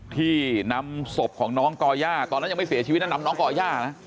ที่นำศพของน้องก่อย่าตอนนั้นยังไม่เสียชีวิตนั้นนำน้องก่อย่านะ